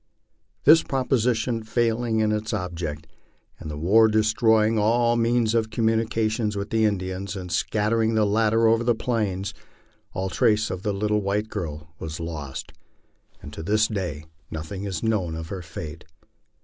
This proposition failing in its object, and the war destroying all means of communication with the Indians and scattering the latter over the Plains, all trace of the little white girl was lost, and to this day nothing is known of her fate.